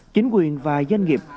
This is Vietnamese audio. chính quyền và doanh nghiệp